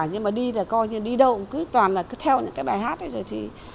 nhưng mà đi là coi như đi đâu cũng cứ toàn là cứ theo những cái bài hát đấy rồi